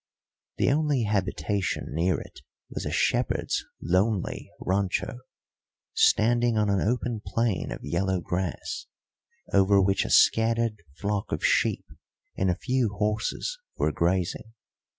The only habitation near it was a shepherd's lonely rancho, standing on an open plain of yellow grass, over which a scattered flock of sheep and a few horses were grazing.